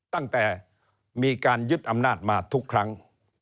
ตั้งแต่มีการยึดอำนาจมาทุกครั้ง